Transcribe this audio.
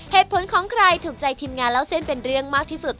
เหตุผลของใครถูกใจทีมงานเล่าเส้นเป็นเรื่องมากที่สุด